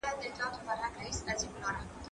کېدای سي زدکړه سخته وي!؟